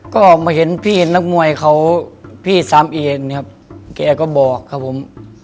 ก็ออกมาเห็นพี่นักมวยเขาพี่ซ้ำเองครับแกก็บอกครับผม